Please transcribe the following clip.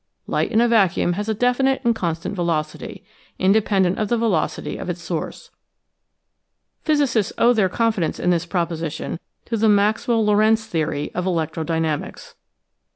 Light in a vacuum has a definite and constant velocity, independent of the velocity of its source. Physicists owe their confidence in this proposi tion to the Maxwell Lorentz theory of electro dynamics.